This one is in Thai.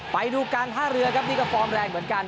ไปดูการท่าเรือครับนี่ก็ฟอร์มแรงเหมือนกัน